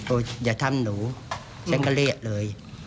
โอ้ยอย่าทำหนูฉันก็เรียกเลย